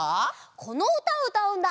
このうたをうたうんだ！